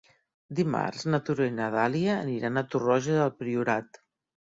Dimarts na Tura i na Dàlia aniran a Torroja del Priorat.